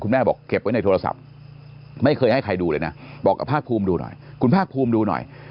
คุณแม่บอกเก็บไว้ในโทรศัพท์ไม่เคยให้ใครดูเลยนะบอกกับภาคภูมิดูหน่อย